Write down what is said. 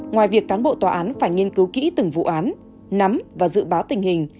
ngoài việc cán bộ tòa án phải nghiên cứu kỹ từng vụ án nắm và dự báo tình hình